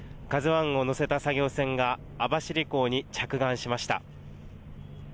ＫＡＺＵＩを載せた作業船が、網走港に着岸しました。